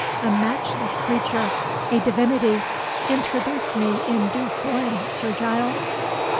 a matchless creature! a divinity! Introduce me in due form, Sir Giles."